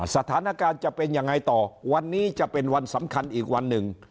สถานการณ์จะเป็นยังไงต่อวันนี้จะเป็นวันสำคัญอีกวันหนึ่ง